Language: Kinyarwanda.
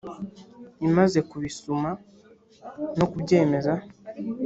imaze kubizuma no kubyemeza